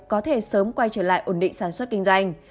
có thể sớm quay trở lại ổn định sản xuất kinh doanh